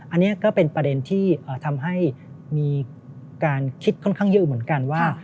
อันนี้ก็เป็นประเด็นที่ทำให้มีการคิดค่อนข้างเยอะเหมือนกันว่า